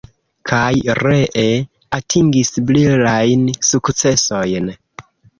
Kaj ree atingis brilajn sukcesojn.